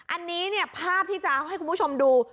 อันนี้เนี่ยภาพที่จะให้คุณผู้ชมดู